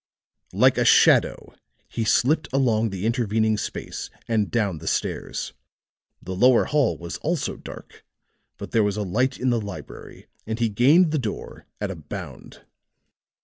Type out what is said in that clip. Like a shadow he slipped along the intervening space, and down the stairs. The lower hall was also dark; but there was a light in the library, and he gained the door at a bound.